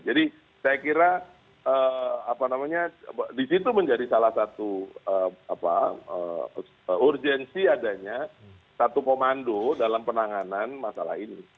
jadi saya kira di situ menjadi salah satu urgensi adanya satu komando dalam penanganan masalah ini